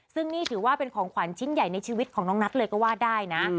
ซึ่งนี่ถือว่าเป็นของขวัญชิ้นใหญ่ในชีวิตของน้องนัทเลยก็ว่าได้นะ